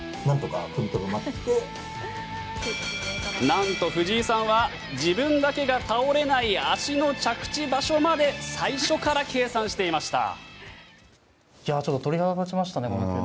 何と藤井さんは自分だけが倒れない足の着地場所まで最初から計算していました。